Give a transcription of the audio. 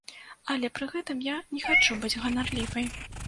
Але пры гэтым я не хачу быць ганарлівай.